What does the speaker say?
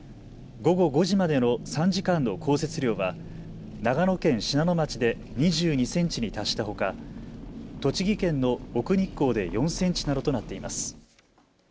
午後５時までの３時間の降雪量は長野県信濃町で２２センチに達したほか、栃木県の奥日光で４センチなどとなっています。